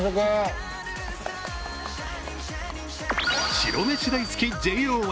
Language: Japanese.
白飯大好きＪＯ１。